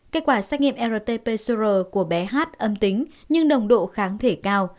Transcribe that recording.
kết quả xét nghiệm rt p sero của bé h âm tính nhưng đồng độ kháng thể cao